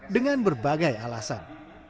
dengan berbagai alasan